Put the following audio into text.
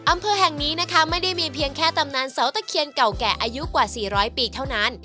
อำเภอแห่งนี้นะคะไม่ได้มีเพียงแค่ตำนานเสาตะเคียนเก่าแก่อายุกว่า๔๐๐ปีเท่านั้น